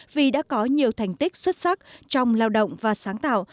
vì đã có nhiều thành tích xuất sắc trong lao động và sáng tạo